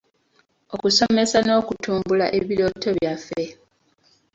Okusomesa n'okutumbula ebirooto byaffe.